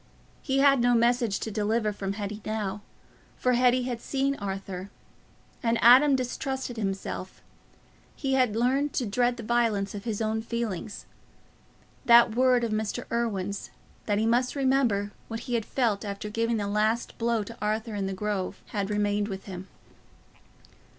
He had no message to deliver from Hetty now, for Hetty had seen Arthur. And Adam distrusted himself—he had learned to dread the violence of his own feeling. That word of Mr. Irwine's—that he must remember what he had felt after giving the last blow to Arthur in the Grove—had remained with him.